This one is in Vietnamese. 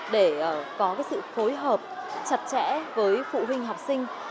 để có sự phối hợp chặt chẽ với phụ huynh học sinh